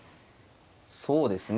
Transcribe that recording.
そうですね